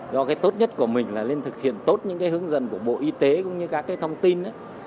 do cái tốt nhất của mình là nên thực hiện tốt những cái hướng dẫn của bộ y tế cũng như các thông tin